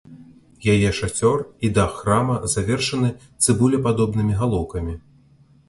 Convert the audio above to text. Яе шацёр і дах храма завершаны цыбулепадобнымі галоўкамі.